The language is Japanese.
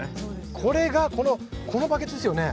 これがこのこのバケツですよね？